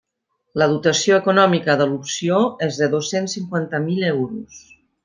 La dotació econòmica de l'opció és de dos-cents cinquanta mil euros.